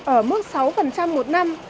ở mức sáu một năm